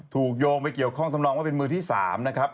โยงไปเกี่ยวข้องทำนองว่าเป็นมือที่๓นะครับ